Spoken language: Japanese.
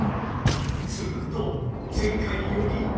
すると前回より。